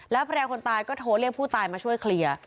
ภรรยาคนตายก็โทรเรียกผู้ตายมาช่วยเคลียร์